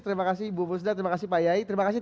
terima kasih bu musda terima kasih pak yai terima kasih